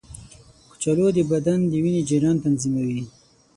کچالو د بدن وینې جریان تنظیموي.